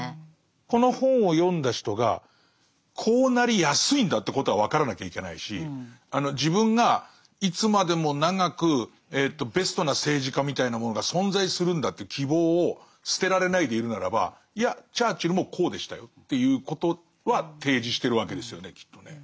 この本を読んだ人がこうなりやすいんだということは分からなきゃいけないし自分がいつまでも長くベストな政治家みたいなものが存在するんだという希望を捨てられないでいるならばいやチャーチルもこうでしたよっていうことは提示してるわけですよねきっとね。